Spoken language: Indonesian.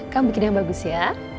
kamu bikin yang bagus ya